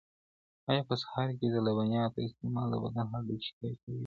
ایا په سهار کي د لبنیاتو استعمال د بدن هډوکي قوي کوي؟